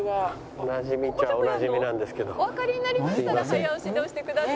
「おわかりになりましたら早押しで押してください」